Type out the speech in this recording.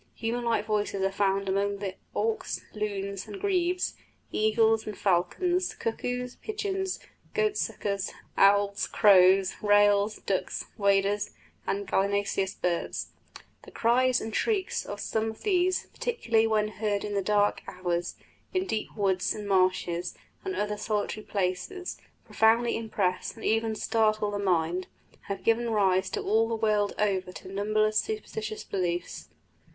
Human like voices are found among the auks, loons, and grebes; eagles and falcons; cuckoos, pigeons, goatsuckers, owls, crows, rails, ducks, waders, and gallinaceous birds. The cries and shrieks of some among these, particularly when heard in the dark hours, in deep woods and marshes and other solitary places, profoundly impress and even startle the mind, and have given rise all the world over to numberless superstitious beliefs.